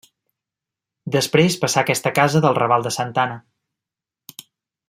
Després passà a aquesta casa del raval de santa Anna.